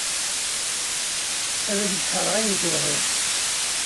Ad k-d-ḥeṛṛeɣ ayen tebɣiḍ.